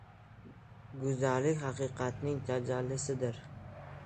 • Go‘zallik — haqiqatning tajallisidir.